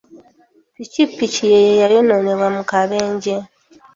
Ppikipiki ye yayonoonebwa mu kabenje.